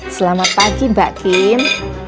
selamat pagi mbak kim